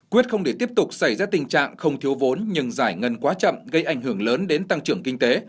quyết không để tiếp tục xảy ra tình trạng không thiếu vốn nhưng giải ngân quá chậm gây ảnh hưởng lớn đến tăng trưởng kinh tế